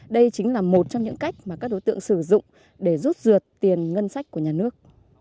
đây chính là một trong những cách mà các đối tượng sử dụng để rút ruột tiền ngân sách của nhà nước